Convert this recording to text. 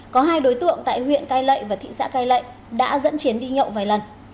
có hai đối tượng tại huyện cai lệ và thị xã cai lệ đã dẫn chiến đi nhậu vài lần